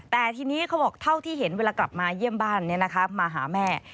แต่ทีนี้เขาบอกเท่าที่เห็นเวลากลับมาเยี่ยมบ้านมาหาแม่